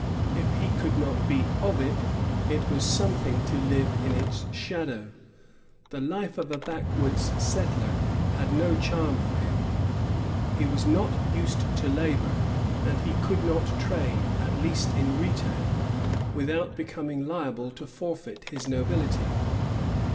If he could not be of it, it was something to live in its shadow. ^ The life of a backwoods settler had no charm for him. He was not used to labor; and he could not trade, at least in retail, without becoming liable to forfeit his nobility.